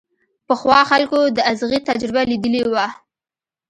پخوا خلکو د ازغي تجربه ليدلې وه.